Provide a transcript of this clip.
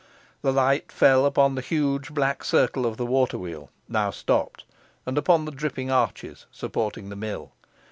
The light fell upon the huge black circle of the watershed now stopped, and upon the dripping arches supporting the mill.